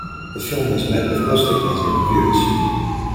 The film was met with mostly positive reviews.